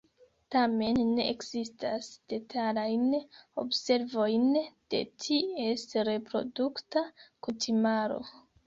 Tamen ne ekzistas detalajn observojn de ties reprodukta kutimaro.